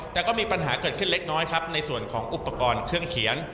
แต่ก็มีปัญหาเกิดขึ้นเล็กน้อยครับในส่วนของอุปกรณ์เครื่องเขียน